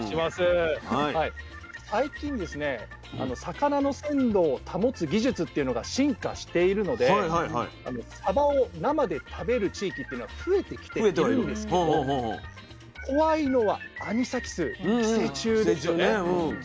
最近ですね魚の鮮度を保つ技術っていうのが進化しているのでサバを生で食べる地域っていうのが増えてきているんですけど怖いのはアニサキス寄生虫ですよね。